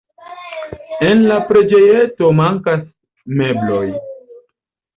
En la preĝejeto mankas mebloj.